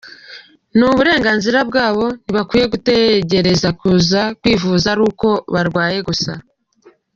Ni uburenganzira bwabo, ntibakwiye gutegereza kuza kwivuza ari uko barwaye gusa.